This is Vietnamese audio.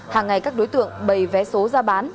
hàng ngày các đối tượng bày vé số ra bán